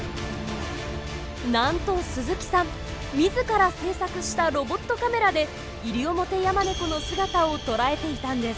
なんと鈴木さん自ら製作したロボットカメラでイリオモテヤマネコの姿を捉えていたんです。